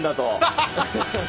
ハハハハッ！